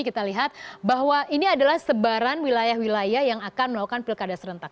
kita lihat bahwa ini adalah sebaran wilayah wilayah yang akan melakukan pilkada serentak